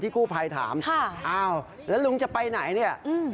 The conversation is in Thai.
กู้ภัยถามค่ะอ้าวแล้วลุงจะไปไหนเนี่ย